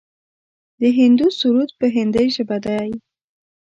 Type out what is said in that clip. د هندو سرود په هندۍ ژبه دی.